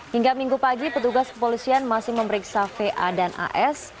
hingga minggu pagi petugas kepolisian masih memeriksa va dan as